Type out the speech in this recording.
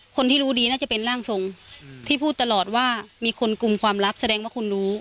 คนที่รู้ดีน่าจะเป็นร่างทรงที่พูดตลอดว่ามีคนกลุ่มความลับแสดงว่าคุณรู้